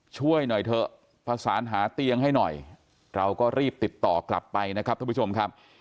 ช่วยหน่อยเถอะประสานหาเตียงให้หน่อยเราก็รีบติดต่อกลับไปนะครับทุกผู้ชมครับ